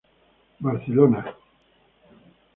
Barcelona: Grao.